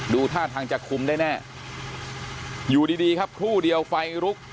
ท่าทางจะคุมได้แน่อยู่ดีครับครู่เดียวไฟลุก